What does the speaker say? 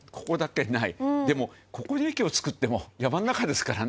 ここに駅を造っても山の中ですからね。